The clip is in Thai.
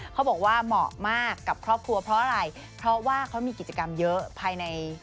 เขาบอกว่าเหมาะมากกับครอบครัวเพราะอะไร